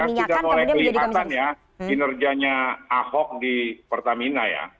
nanti ya tidak boleh dikatakan ya kinerjanya ahok di pertamina ya